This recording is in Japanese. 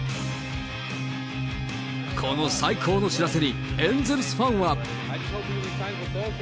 この最高の知らせにエンゼルスファンは。